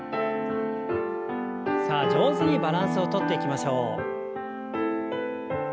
さあ上手にバランスをとっていきましょう。